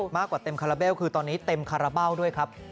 เต็มคาราเบลคือตอนนี้เต็มคาราเบ้าด้วยครับ